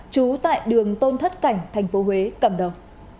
trú tại đường tôn thất cảnh thành phố huế cầm đầu